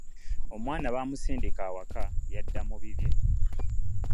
Omwana bamusindika awaka yadda mu bibye.